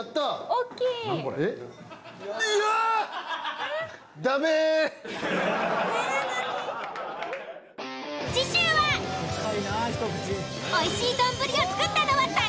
おいしい丼を作ったのは誰？